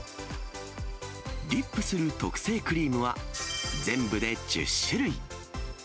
ディップする特製クリームは全部で１０種類。